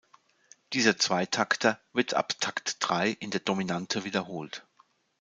Dieser Zweitakter wird ab Takt drei in der Dominante wiederholt.